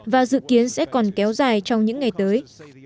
và dự kiến sẽ còn kéo dài trong những ngày tới